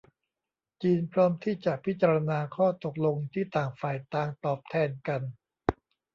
จีนพร้อมที่จะพิจารณาข้อตกลงที่ต่างฝ่ายต่างตอบแทนกัน